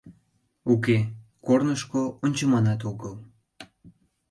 Уке, корнышко ончыманат огыл...